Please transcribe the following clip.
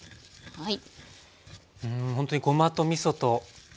はい。